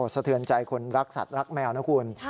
สะเทือนใจคนรักสัตว์รักแมวนะคุณ